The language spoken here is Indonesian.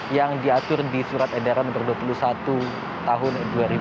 yang diatur di surat edaran no dua puluh satu tahun dua ribu dua puluh